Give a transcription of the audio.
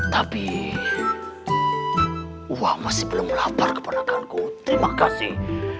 tapi wak masih belum lapar kepadakanku terima kasih